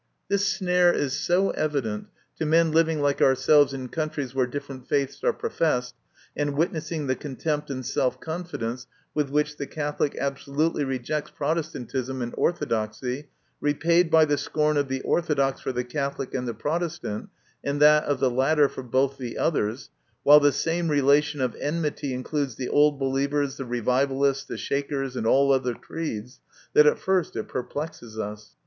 This snare is so evident, to men living like ourselves in countries where different faiths are professed, and witnessing the contempt and self confidence with which the Catholic absolutely rejects Protestantism and Orthodoxy, repaid by the scorn of the Orthodox for the Catholic and the Protestant, and that of the latter for both the others, while the same relation of enmity includes the Old Believers, the Revivalists, the Shakers, and all other creeds, that at first it perplexes us.